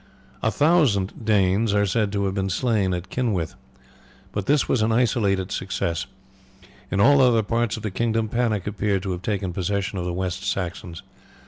A thousand Danes are said to have been slain at Kynwith; but this was an isolated success; in all other parts of the kingdom panic appeared to have taken possession of the West Saxons.